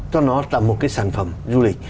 cho nó là một cái sản phẩm du lịch